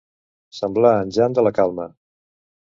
Semblar en Jan de la Calma.